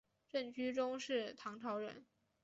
郑居中是唐朝人。